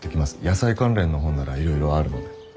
野菜関連の本ならいろいろあるので。